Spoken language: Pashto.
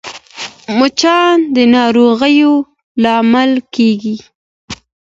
مچان د ناروغیو لامل کېږي